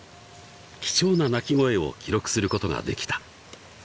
［貴重な鳴き声を記録することができた］